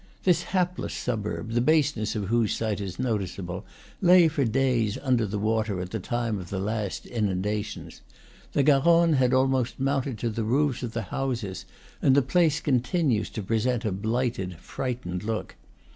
This hapless suburb, the baseness of whose site is noticeable, lay for days under the water at the time of the last inundations. The Garonne had almost mounted to the roofs of the houses, and the place continues to present a blighted, frightened look.